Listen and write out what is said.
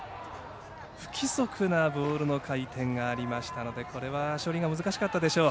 不規則なボールの回転がありましたのでこれは、処理が難しかったでしょう。